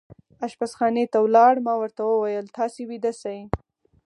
اشپزخانې ته ولاړ، ما ورته وویل: تاسې ویده شئ.